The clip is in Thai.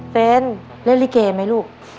เซนเล่นรีเกมไหมลูก